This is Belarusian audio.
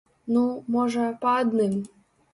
Ну, можа, па адным.